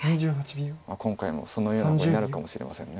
今回もそのような碁になるかもしれません。